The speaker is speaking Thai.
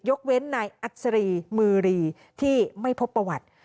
เว้นนายอัศรีมือรีที่ไม่พบประวัติ